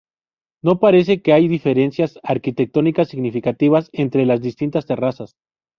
No parece que haya diferencias arquitectónicas significativas entre las distintas terrazas.